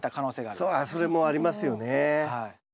あっそれもありますよね。